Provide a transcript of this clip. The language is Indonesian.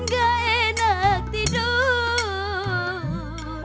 nggak enak tidur